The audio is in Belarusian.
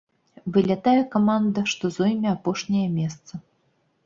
Вылятае каманда, што зойме апошняе месца.